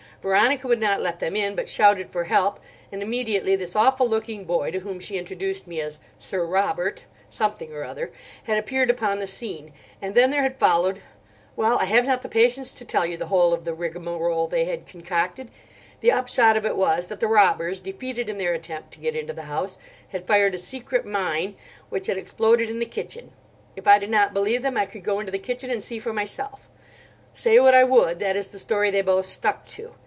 Veronica would not let them in, but shouted for help: and immediately this awful looking boy, to whom she introduced me as 'Sir Robert' something or another, had appeared upon the scene; and then there had followed—well, I have not the patience to tell you the whole of the rigmarole they had concocted. The upshot of it was that the robbers, defeated in their attempt to get into the house, had fired a secret mine, which had exploded in the kitchen. If I did not believe them I could go into the kitchen and see for myself. Say what I would, that is the story they both stuck to.